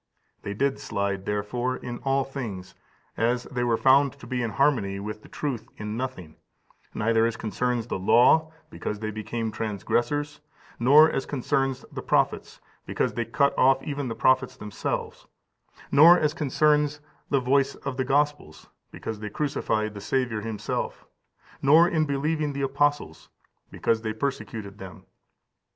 They did slide, therefore, in all things, as they were found to be in harmony with the truth in nothing: neither as concerns the law, because they became transgressors; nor as concerns the prophets, because they cut off even the prophets themselves; nor as concerns the voice of the Gospels, because they crucified the Saviour Himself; nor in believing the apostles, because they persecuted them.